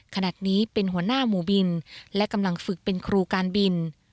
ขณะนี้เป็นหัวหน้าหมู่บินและกำลังฝึกเป็นครูการบิน